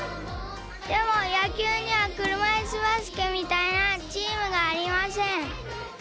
でもやきゅうにはくるまいすバスケみたいなチームがありません。